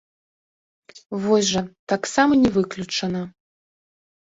Вось жа, таксама не выключана.